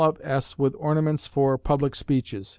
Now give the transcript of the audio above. of S. with ornaments for public speeches.